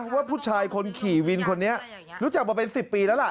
ว่าผู้ชายคนขี่วินคนนี้รู้จักมาเป็น๑๐ปีแล้วล่ะ